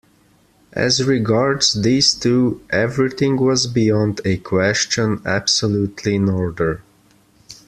As regards these two, everything was beyond a question absolutely in order.